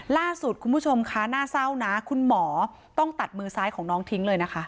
ล่าสุดคุณผู้ชมคะน่าเศร้านะคุณหมอต้องตัดมือซ้ายของน้องทิ้งเลยนะคะ